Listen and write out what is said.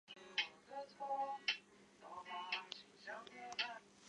发布的卡片包含许多可以从游戏王系列中识别的卡片！